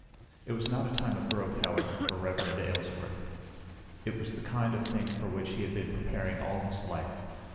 It was not a time of growth, however, for Reverend Aylesworth. It was the kind of thing for which he had been preparing all his life.